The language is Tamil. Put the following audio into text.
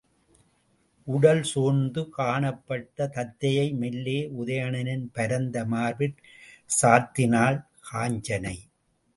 உடல் சோர்ந்து காணப்பட்ட தத்தையை மெல்ல உதயணனின் பரந்த மார்பிற் சார்த்தினாள் காஞ்சனை.